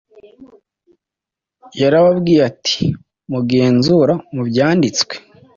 Yarababwiye ati: " Mugenzura mu byanditswe